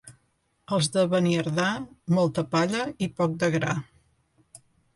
Els de Beniardà, molta palla i poc de gra.